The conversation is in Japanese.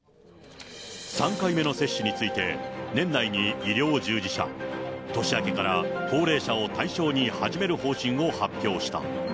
３回目の接種について年内に医療従事者、年明けから高齢者を対象に始める方針を発表した。